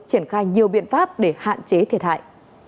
triển khai nhiều biện pháp để hạn chế thiệt hại